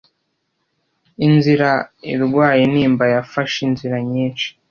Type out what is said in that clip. inzira irwaye intimba yafashe, inzira nyinshi